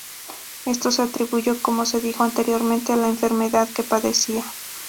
Esto se atribuye, como se dijo anteriormente, a la enfermedad que padecía.